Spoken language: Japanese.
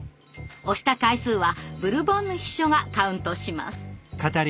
押した回数はブルボンヌ秘書がカウントします。